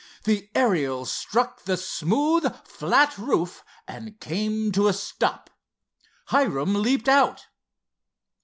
The Ariel struck the smooth flat roof, and came to a stop, Hiram leaped out.